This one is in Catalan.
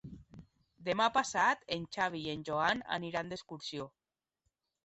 Demà passat en Xavi i en Joan aniran d'excursió.